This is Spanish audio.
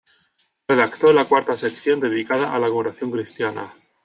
Redactó la cuarta sección dedicada a la oración cristiana.